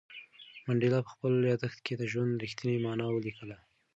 منډېلا په خپل یادښت کې د ژوند رښتینې مانا ولیکله.